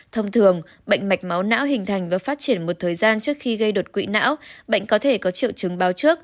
thông thường bệnh mạch máu não hình thành và phát triển một thời gian trước khi gây đột quỵ não bệnh có thể có triệu chứng báo trước